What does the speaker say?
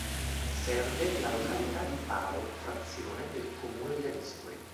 Serve la località di Palo, frazione del comune di Ladispoli.